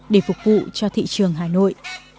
để phục vụ cho thị trường hà nội